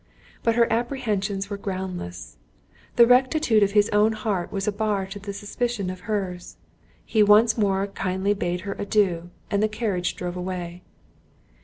But her apprehensions were groundless; the rectitude of his own heart was a bar to the suspicion of her's. He once more kindly bade her adieu, and the carriage drove away.